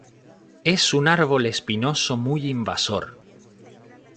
Es un árbol espinoso muy invasor.